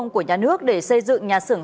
của nhà nước để xây dựng nhà xưởng